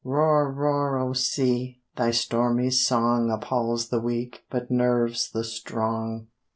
_Roar, roar, O Sea! Thy stormy song Appalls the weak, but nerves the strong.